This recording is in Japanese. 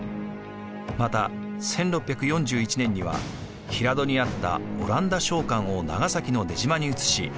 また１６４１年には平戸にあったオランダ商館を長崎の出島に移し